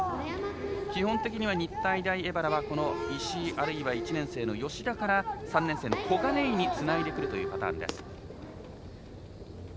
基本的には日体大荏原はこの石井、あるいは１年生の吉田から３年生の小金井につないでくるというパターンです。